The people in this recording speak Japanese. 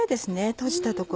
とじた所。